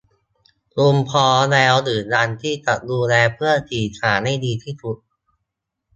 คุณพร้อมแล้วหรือยังที่จะดูแลเพื่อนสี่ขาให้ดีที่สุด